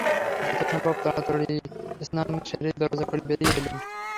যথাসম্ভব তাড়াতাড়ি স্নান সেরেই দরজা খুলে বেরিয়ে এলুম।